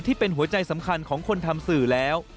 ที่เป็นหัวใจสำคัญของคนทำสื่อแล้ว